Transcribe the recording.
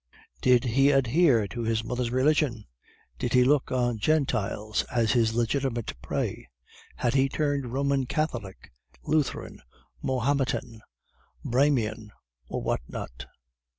"Did he adhere to his mother's religion? Did he look on Gentiles as his legitimate prey? Had he turned Roman Catholic, Lutheran, Mahometan, Brahmin, or what not?